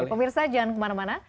pemirsa jangan kemana mana